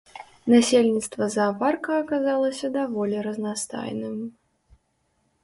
Насельніцтва заапарка аказалася даволі разнастайным.